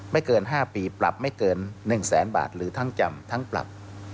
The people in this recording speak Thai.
เกิน๕ปีปรับไม่เกิน๑แสนบาทหรือทั้งจำทั้งปรับ